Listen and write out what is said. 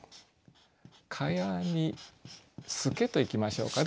「蚊帳に透け」といきましょうかね。